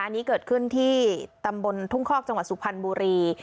อันนี้เกิดขึ้นที่ตำบลทุ่งคอกจังหวัดสุพรรณบุรี